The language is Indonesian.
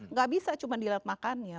nggak bisa cuma dilihat makannya